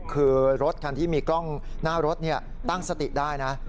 คือรถคันที่มีกล้องหน้ารถตั้งสติได้นะ